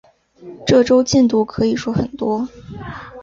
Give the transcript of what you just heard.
这周进度可以说很多